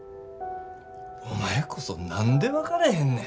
お前こそ何で分かれへんね。